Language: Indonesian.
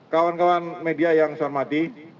kawan kawan media yang selamat